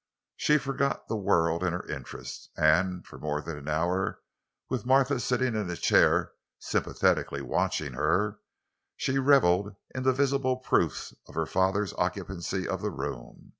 She forgot the world in her interest, and for more than an hour, with Martha sitting in a chair sympathetically watching her, she reveled in the visible proofs of her father's occupancy of the room.